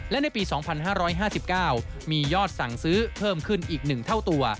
และในปี๒๕๕๙มียอดสั่งซื้อเพิ่มขึ้นอีก๑เท่าตัว